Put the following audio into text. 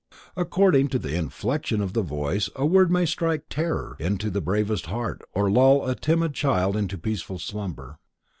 According to the inflection of the voice a word may strike terror into the bravest heart or lull a timid child to peaceful slumber.